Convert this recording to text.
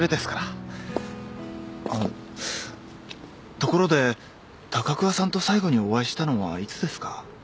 ところで高桑さんと最後にお会いしたのはいつですか？